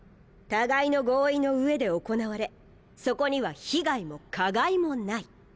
互いの合意の上で行われそこには被害も加害もない。